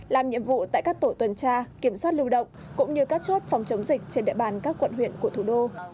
làm nhiệm vụ tại các tổ tuần tra kiểm soát lưu động cũng như các chốt phòng chống dịch trên địa bàn các quận huyện của thủ đô